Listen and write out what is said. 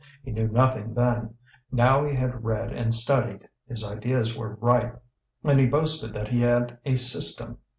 He knew nothing then; now he had read and studied, his ideas were ripe, and he boasted that he had a system.